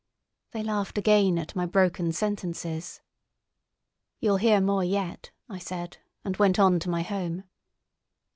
They laughed again at my broken sentences. "You'll hear more yet," I said, and went on to my home.